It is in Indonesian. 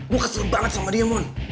gue kesel banget sama dia mohon